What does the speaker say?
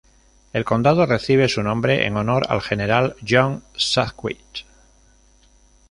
El condado recibe su nombre en honor al general John Sedgwick.